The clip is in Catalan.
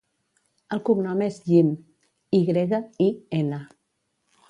El cognom és Yin: i grega, i, ena.